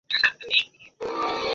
শ্রীশ কহিল, বলেন কী মশায়!